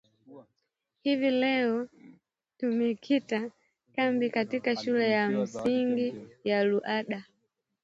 Hivi leo tumekita kambi katika shule ya msingi ya Luanda